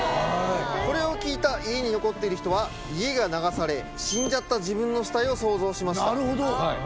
これを聞いた家に残ってる人は家が流され死んじゃった自分の死体を想像しました。